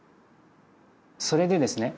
それでですね